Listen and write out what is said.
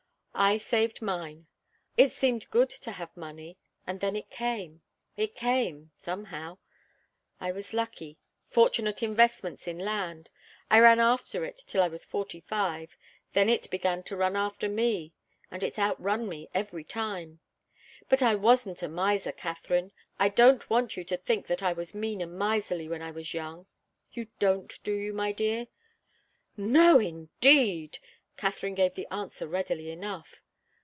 I saved mine. It seemed good to have money. And then it came it came somehow. I was lucky fortunate investments in land. I ran after it till I was forty five; then it began to run after me, and it's outrun me, every time. But I wasn't a miser, Katharine. I don't want you to think that I was mean and miserly when I was young. You don't, do you, my dear?" "No, indeed!" Katharine gave the answer readily enough.